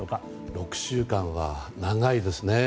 ６週間は長いですね。